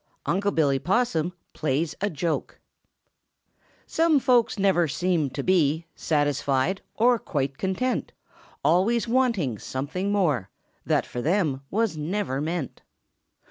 UNC' BILLY POSSUM PLAYS A JOKE Some folks never seem to be Satisfied or quite content; Always wanting something more That fo' them was never meant."